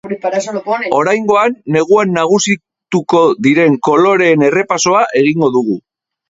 Oraingoan, neguan nagusituko diren koloreen errepasoa egingo dugu.